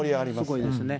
すごいですね。